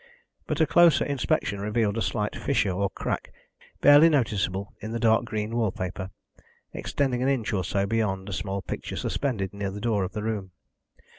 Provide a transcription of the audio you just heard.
But a closer inspection revealed a slight fissure or crack, barely noticeable in the dark green wall paper, extending an inch or so beyond a small picture suspended near the door of the room.